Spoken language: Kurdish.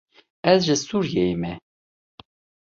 Ez ji Sûriyeyê me.